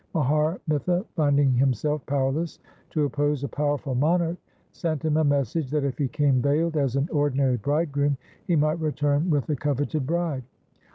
Mahar Mitha, finding himself powerless to oppose a powerful monarch, sent him a message, that if he came veiled as an ordinary bridegroom, he might return with the coveted bride.